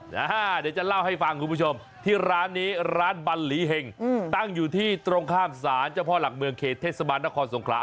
เดี๋ยวจะเล่าให้ฟังคุณผู้ชมที่ร้านนี้ร้านบัลหลีเห็งตั้งอยู่ที่ตรงข้ามศาลเจ้าพ่อหลักเมืองเขตเทศบาลนครสงขลา